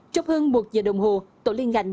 trong hơn một giờ đồng hồ tổ liên ngành